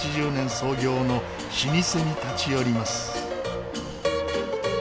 創業の老舗に立ち寄ります。